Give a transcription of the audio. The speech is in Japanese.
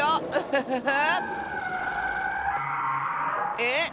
えっ？